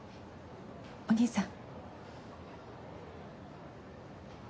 お義兄さん。